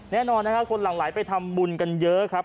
แน่นอนนะครับคนหลังไหลไปทำบุญกันเยอะครับ